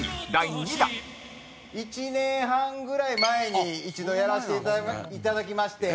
１年半ぐらい前に一度やらせていただきまして。